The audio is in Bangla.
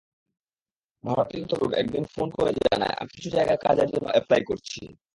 ভারতীয় তরুণ একদিন ফোন করে জানায়, আমি কিছু জায়গায় কাজের জন্য অ্যাপ্লাই করছি।